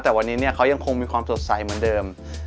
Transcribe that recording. แต่วันนี้เนี่ยเขายังคงมีความสดใสเหมือนเดิม